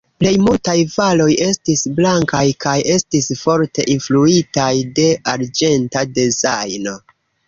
Plej multaj varoj estis blankaj kaj estis forte influitaj de arĝenta dezajno.